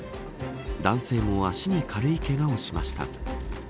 男性も足に軽いけがをしました。